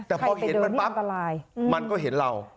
แต่พอเห็นมันปั๊บมันก็เห็นเรา